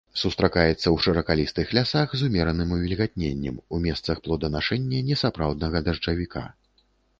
Сустракаецца ў шыракалістых лясах з умераным увільгатненнем, у месцах плоданашэння несапраўднага дажджавіка.